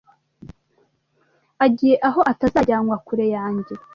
agiye aho atazajyanwa kure yanjye